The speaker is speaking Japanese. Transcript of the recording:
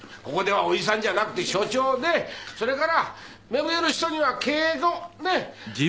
ここでは「叔父さん」じゃなくて「所長」でそれから目上の人には敬語！ね！